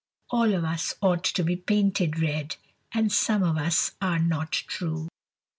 All of us ought to be painted red, And some of us are not true.